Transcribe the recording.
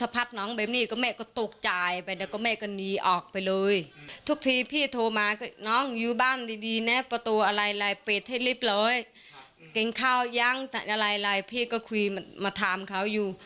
พี่ก็คุยมาถามเขาอยู่